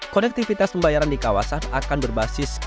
kolektivitas pembayaran di kawasan akan berbasis quick response code atau ppp